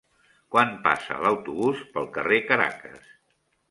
Quan passa l'autobús pel carrer Caracas?